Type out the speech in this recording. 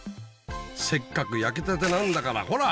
せっかく焼きたてなんだからほら！